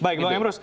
baik mbak emrus